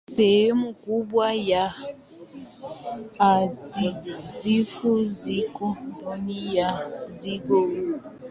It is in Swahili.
Sehemu kubwa ya Antaktiki ziko ndani ya mzingo huu.